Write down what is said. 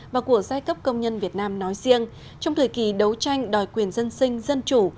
và của giai cấp công nhân việt nam nói riêng trong thời kỳ đấu tranh đòi quyền dân sinh dân chủ